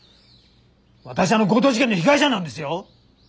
私はあの強盗事件の被害者なんですよ！